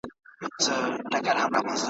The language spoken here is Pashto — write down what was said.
حرص او تمه او غرور سترګي ړندې کړي ,